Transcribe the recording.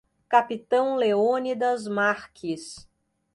Capitão Leônidas Marques